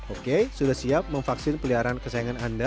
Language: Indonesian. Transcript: oke sudah siap memvaksin peliharaan kesayangan anda